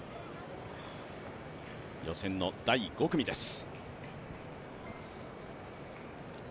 予選の第５組です。